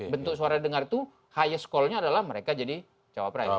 bentuk suara dengar itu highest call nya adalah mereka jadi cawa press